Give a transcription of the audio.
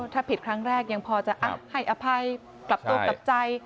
ถ้าผิดครั้งแรกยังพอจะให้อภัยกลับตัวกลับใจ